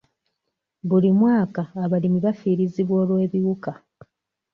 Buli mwaka abalimi bafiirizibwa olw'ebiwuka.